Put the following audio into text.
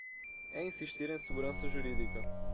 É insistir em segurança jurídica